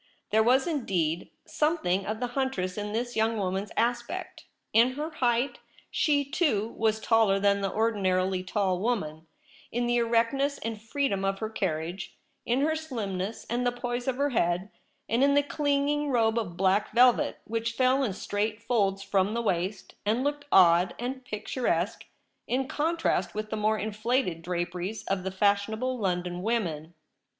There was, indeed, something of the huntress in this young woman's aspect, in her height — she, too, was taller than the ordinarily tall woman — in the erectness and freedom of her carriage, in her slimness and the poise of her head, and in the clinging robe of black velvet, which fell in straight wide folds from the waist, and looked odd and picturesque in contrast with the more inflated draperies of the fashionable London women.